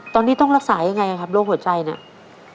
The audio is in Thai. ตอนนี้ต้องรักษายังไงครับโรคหัวใจเนี่ย